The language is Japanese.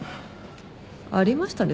ありましたね？